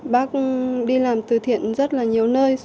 bác đi làm từ thiện rất là nhiều nơi